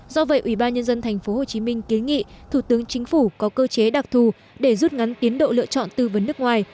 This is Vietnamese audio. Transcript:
do vậy ủy ban nhân dân tp hcm kiến nghị thủ tướng chính phủ có cơ chế đặc thù để rút ngắn tiến độ lựa chọn tư vấn nước ngoài